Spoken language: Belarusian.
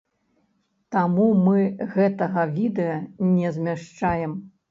Таму мы гэтага відэа не змяшчаем.